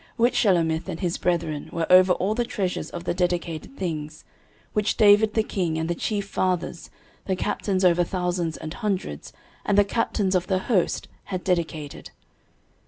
13:026:026 Which Shelomith and his brethren were over all the treasures of the dedicated things, which David the king, and the chief fathers, the captains over thousands and hundreds, and the captains of the host, had dedicated.